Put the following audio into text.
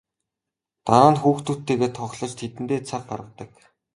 Дараа нь хүүхдүүдтэйгээ тоглож тэдэндээ цаг гаргадаг.